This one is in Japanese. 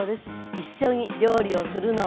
一緒に料理をするのは。